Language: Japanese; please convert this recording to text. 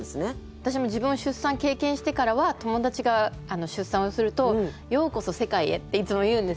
私も自分が出産経験してからは友達が出産をすると「ようこそ世界へ」っていつも言うんですよね。